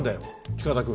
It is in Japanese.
近田君。